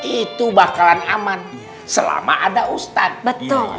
itu bakalan aman selama ada ustadz betul